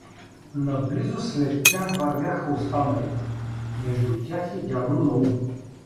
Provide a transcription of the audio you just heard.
Наблизо след тях вървяха останалите, между тях и дядо Наум.